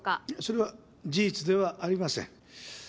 いやそれは事実ではありません。